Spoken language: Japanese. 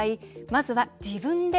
まずは「自分で」